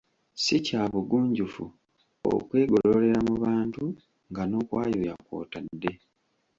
Si kya bugunjufu okwegololera mu bantu nga n’okwayuuya kw’otadde.